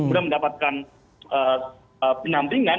untuk mendapatkan penampingan